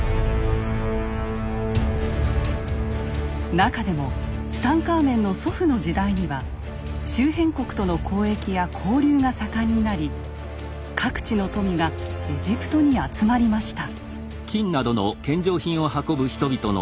なかでもツタンカーメンの祖父の時代には周辺国との交易や交流が盛んになり各地の富がエジプトに集まりました。